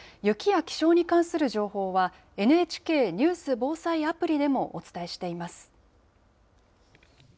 雪や気象に関する情報は、ＮＨＫニュース・防災アプリでもお伝え